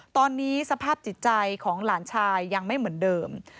ตอนนี้สภาพจิตใจของหลานชายยังไม่เหมือนเดิม